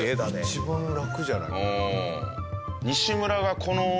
一番楽じゃない？